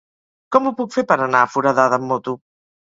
Com ho puc fer per anar a Foradada amb moto?